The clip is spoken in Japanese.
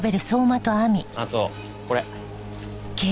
あとこれ。